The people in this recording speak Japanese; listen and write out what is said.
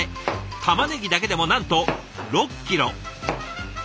たまねぎだけでもなんと６キロ。